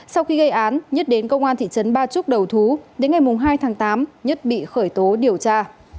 sau khi gây án nhất đến công an thị trấn ba trúc đầu thú đến ngày hai tháng tám nhất bị khởi tố điều tra